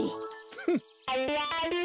フッ。